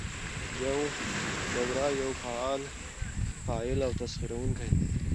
بورا يو فعال فاعل او تسخيروونکى دى؛